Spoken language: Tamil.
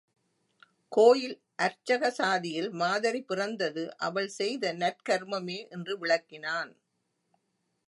கோயில் அர்ச்சக சாதியில் மாதரி பிறந்தது அவள் செய்த நற்கருமமே என்று விளக்கினான்.